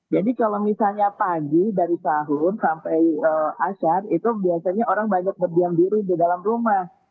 jadi kalau misalnya pagi dari sahur sampai asyar itu biasanya orang banyak berdiam diri di dalam rumah